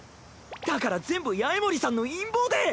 だから全部八重森さんの陰謀で。